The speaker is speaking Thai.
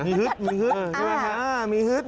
มีหึดมีหึดมีหึด